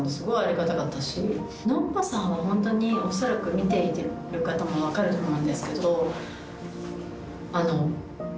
ホントに恐らく見ている方も分かると思うんですけど。